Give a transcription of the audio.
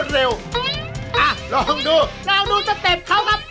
ลองดูเราดูสเต็ปเขาครับ